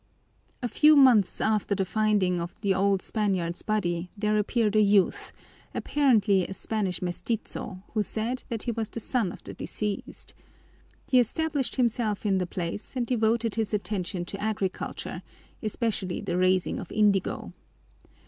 A few months after the finding of the old Spaniard's body there appeared a youth, apparently a Spanish mestizo, who said that he was the son of the deceased. He established himself in the place and devoted his attention to agriculture, especially the raising of indigo.